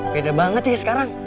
beda banget ya sekarang